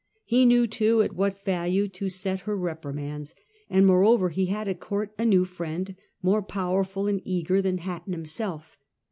He knew too at what value to set her reprimands, and, moreover, he had at Court a new friend more powerful and eager than Hatton himself.